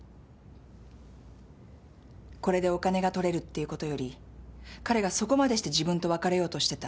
これでお金が取れるっていうことより彼がそこまでして自分と別れようとしてた。